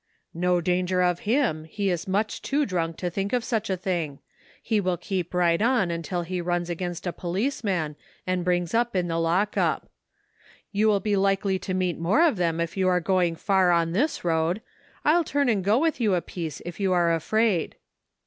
" No danger of him, he is much too drunk to tliink of such a thing ; he will keep right on until he runs against a policeman, and brings up in the lock up. You will be likely to meet more of them if you are going far on this road ; I'll turn and go with you a piece if you are afraid."